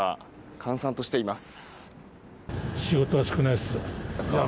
閑散としています。